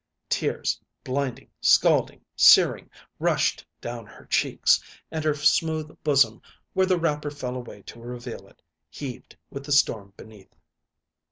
Tears, blinding, scalding, searing, rushed down her cheeks, and her smooth bosom, where the wrapper fell away to reveal it, heaved with the storm beneath.